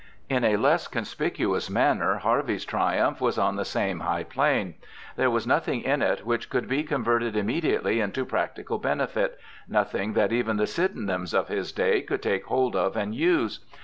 In a less conspicuous manner Harvey's triumph was on the same high plane. There was nothing in it which could be converted immediately into practical benefit, nothing that even the Sydenhams of his day could take hold of and use.